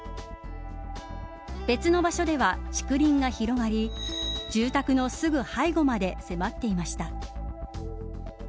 別の場所では竹林が広がり住宅のすぐ背後まで迫っていました。